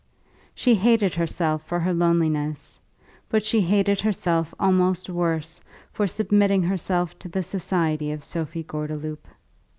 She hated herself for her loneliness, but she hated herself almost worse for submitting herself to the society of Sophie Gordeloup.